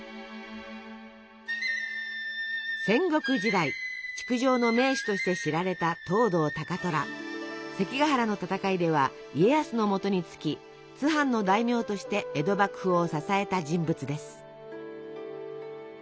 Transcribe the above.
戦国時代築城の名手として知られた関ヶ原の戦いでは家康のもとにつき津藩の大名として江戸幕府を支えた人物です。